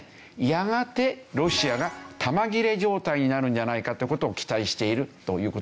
やがてロシアが弾切れ状態になるんじゃないかっていう事を期待しているという事なんです。